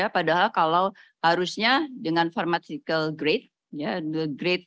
padahal kalau harusnya dengan pharmaceutical grade